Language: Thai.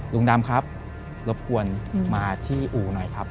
ลุงดำครับรบกวนมาที่อู่หน่อยครับ